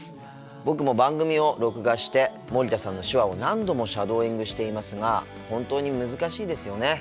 僕も番組を録画して森田さんの手話を何度もシャドーイングしていますが本当に難しいですよね。